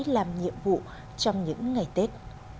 làm nhiệm vụ trong những ngày tết